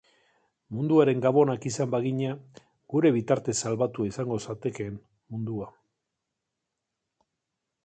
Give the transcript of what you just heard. Munduaren Gabonak izan bagina, gure bitartez salbatua izango zatekeen mundua.